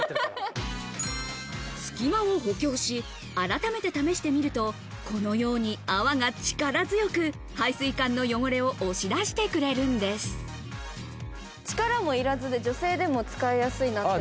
隙間を補強し、改めて試してみると、このように泡が力強く排水管の汚れを押し出してくれるん力もいらずで、女性でも使いやすいなと。